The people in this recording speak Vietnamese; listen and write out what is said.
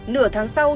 nửa tháng sau